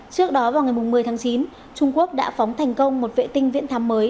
trước đó vào ngày một mươi tháng chín trung quốc đã phóng thành công một vệ tinh viễn thám mới